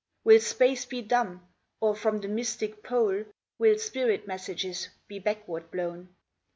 Will space be dumb, or from the mystic pole Will spirit messages be backward blown?